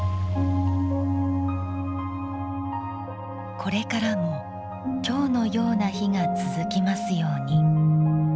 これからもきょうのような日が続きますように。